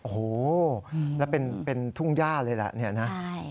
โอ้โหแล้วเป็นทุ่งญาติเลยล่ะเนี่ยนะ